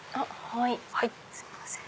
はいすいません。